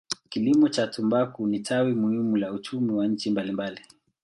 Kilimo cha tumbaku ni tawi muhimu la uchumi kwa nchi mbalimbali.